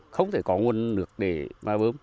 không thể có nguồn nước để bơm